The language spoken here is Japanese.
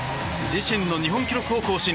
自身の日本記録を更新。